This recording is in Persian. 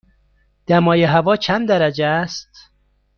دمای هوا چند درجه است؟